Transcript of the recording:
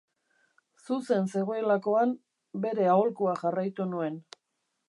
Zuzen zegoelakoan, bere aholkua jarraitu nuen.